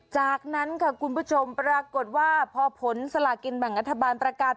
จากนั้นค่ะคุณผู้ชมปรากฏว่าพอผลสลากินแบ่งรัฐบาลประกาศ